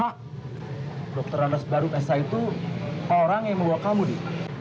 dokter randus badun sh itu orang yang membawa kamu di